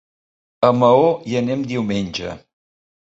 A Maó hi anem diumenge.